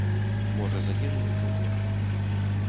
Можа, загінула ўжо дзе.